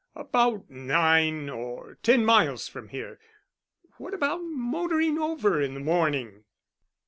"About nine or ten miles from here. What about motoring over in the morning?"